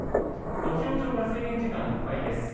土俵上、制限時間いっぱいです。